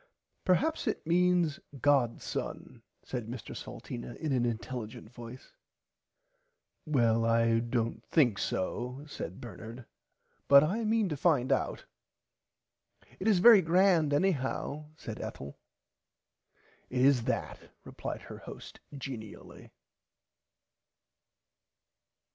Peraps it means god son said Mr Salteena in an inteligent voice. Well I dont think so said Bernard but I mean to find out. It is very grand anyhow said Ethel. It is that replied her host geniully.